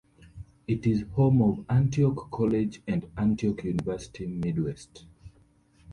It is home of Antioch College and Antioch University Midwest.